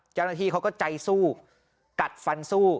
เขาก็ใจสู้กัดฟันสู้